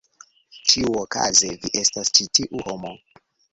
Ĉiuokaze vi estas ĉi tiu homo.